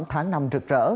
tháng năm rực rỡ